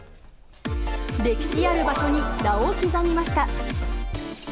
歴史ある場所に名を刻みました。